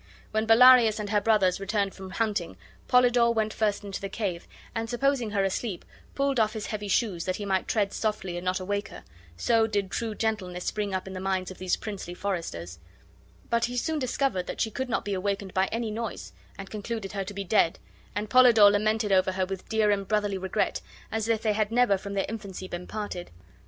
When Bellarius and her brothers returned from hunting, Polydore went first into the cave, and, supposing her asleep, pulled off his heavy shoes, that he might tread softly and not awake her (so did true gentleness spring up in the minds of these princely foresters); but he soon discovered that she could not be awakened by any noise, and concluded her to be dead, and Polydore lamented over her with dear and brotherly regret, as if they had never from their infancy been parted.